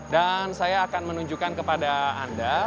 dan saya akan menunjukkan kepada anda